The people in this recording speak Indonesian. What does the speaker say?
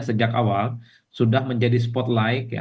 sejak awal sudah menjadi spotlight ya